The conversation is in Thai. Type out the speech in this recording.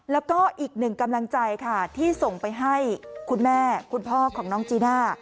แล้วก็อีกหนึ่งกำลังใจค่ะที่ส่งไปให้คุณแม่คุณพ่อของน้องจีน่า